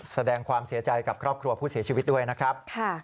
แสดงความเสียใจกับครอบครัวผู้เสียชีวิตด้วยนะครับ